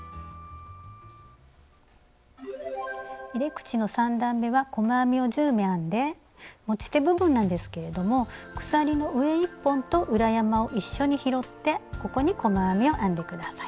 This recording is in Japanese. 入れ口の３段めは細編みを１０目編んで持ち手部分なんですけれども鎖の上１本と裏山を一緒に拾ってここに細編みを編んで下さい。